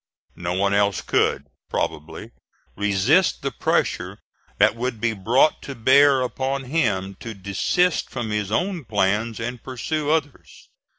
No one else could, probably, resist the pressure that would be brought to bear upon him to desist from his own plans and pursue others.